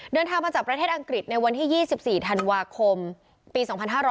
เดินทางมาจากประเทศอังกฤษในวันที่๒๔ธันวาคมปี๒๕๕๙